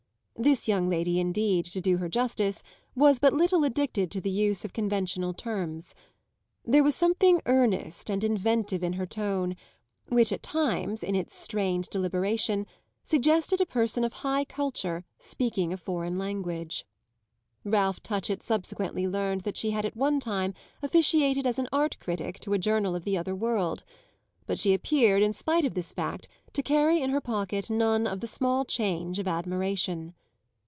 This young lady indeed, to do her justice, was but little addicted to the use of conventional terms; there was something earnest and inventive in her tone, which at times, in its strained deliberation, suggested a person of high culture speaking a foreign language. Ralph Touchett subsequently learned that she had at one time officiated as art critic to a journal of the other world; but she appeared, in spite of this fact, to carry in her pocket none of the small change of admiration.